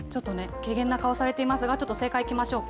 けげんな顔されていますが、ちょっと正解いきましょうか。